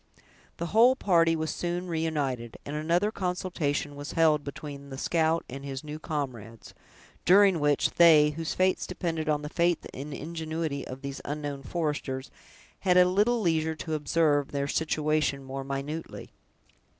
The whole party was soon reunited, and another consultation was held between the scout and his new comrades, during which, they, whose fates depended on the faith and ingenuity of these unknown foresters, had a little leisure to observe their situation more minutely.